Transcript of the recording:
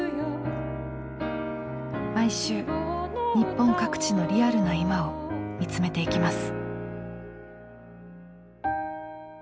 毎週日本各地のリアルな今を見つめていきます。